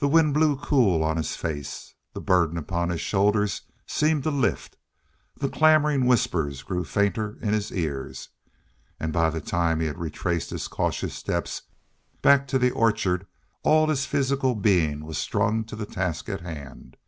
The wind blew cool on his face. The burden upon his shoulders seemed to lift. The clamoring whispers grew fainter in his ears. And by the time he had retraced his cautious steps back to the orchard all his physical being was strung to the task at hand.